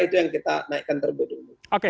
itu yang kita naikkan terlebih dahulu